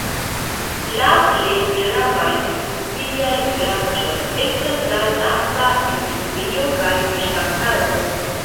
La plej gravaj industriaj branĉoj estas la nafta industrio kaj fiŝkaptado.